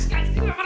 nggak jadi lamaran